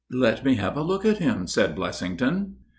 "Let me have a look at him," said Blessington.